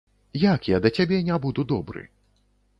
Як я да цябе не буду добры?